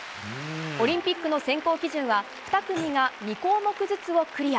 オリンピックの選考基準は２組が２項目ずつをクリア。